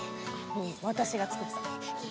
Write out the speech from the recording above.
私が作った。